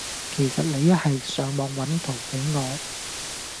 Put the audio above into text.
其實你一係上網搵圖比我